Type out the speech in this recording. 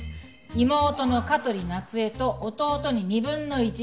妹の香取夏江と弟に２分の１ずつ。